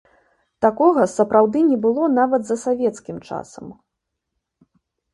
Такога, сапраўды, не было нават за савецкім часам.